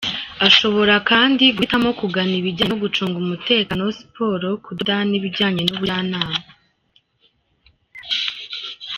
Ashobora kandi guhitamo kugana ibijyanye no gucunga umutekano, siporo, kudoda n’ibijyanye n’ubujyanama.